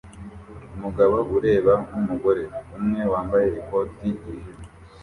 Umugabo ureba nkumugore umwe wambaye ikoti ryijimye